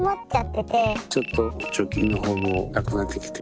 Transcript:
ちょっと貯金の方もなくなってきて。